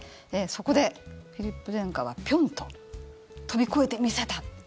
そこでフィリップ殿下はピョンと飛び越えてみせた。